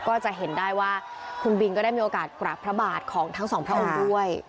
ก็จะเห็นได้ว่าคุณบินก็ได้มีโอกาสกราบพระบาทของทั้งสองพระองค์ด้วย